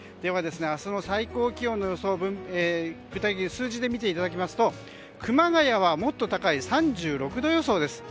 明日の最高気温の予想を具体的に数字で見ていただきますと熊谷はもっと高い３６度予想です。